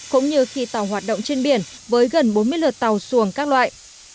cũng như khi tàu hoạt động trên biển với gần bốn mươi lượt tàu xuồng các loại